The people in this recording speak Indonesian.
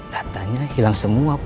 datanya hilang semua pak